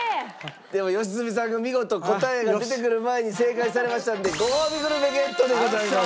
でも良純さんが見事答えが出てくる前に正解されましたんでごほうびグルメゲットでございます。